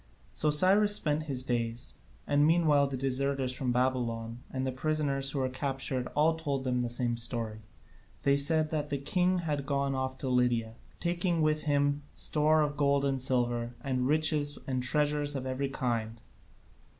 So Cyrus spent his days, and meanwhile the deserters from Babylon and the prisoners who were captured all told the same story: they said that the king had gone off to Lydia, taking with him store of gold and silver, and riches and treasures of every kind.